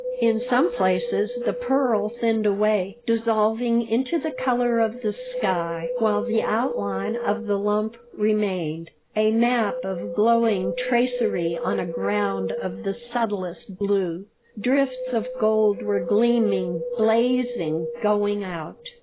In some places the pearl thinned away, dissolving into the color of the sky, while the outline of the lump remained a map of glowing tracery on a ground of the subtlest blue. Drifts of gold were gleaming, blazing, going out.